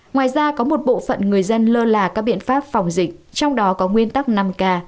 ngoài ra có một bộ phận người dân lơ là các biện pháp phòng dịch trong đó có nguyên tắc năm k